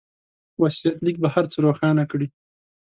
وصيت ليک به هر څه روښانه کړي.